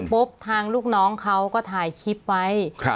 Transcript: ทางลูกน้องเขาก็ถ่ายคลิปไว้